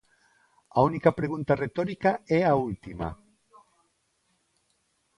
A única pregunta retórica é a última.